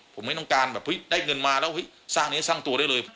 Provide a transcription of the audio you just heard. ผมไม่ต้องการได้เงินมาแล้วเป็นเนี้ยทุ่สร้างเนี้ยตัวเลย